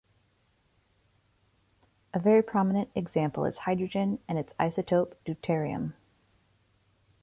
A very prominent example is hydrogen and its isotope deuterium.